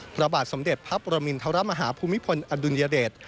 พระบาทสมเด็จพระปรมินทรมาฮาภูมิพลอดุลยเดช